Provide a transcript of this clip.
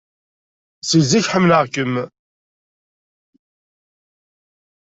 Si zik ḥemmleɣ-kem.